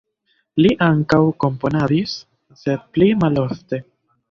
Li ankaŭ komponadis, sed pli malofte.